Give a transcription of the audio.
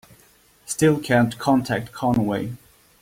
Still can't contact Conway.